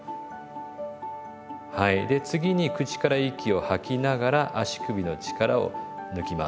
で次に口から息を吐きながら足首の力を抜きます。